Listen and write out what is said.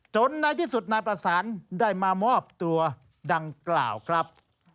ในที่สุดนายประสานได้มามอบตัวดังกล่าวครับ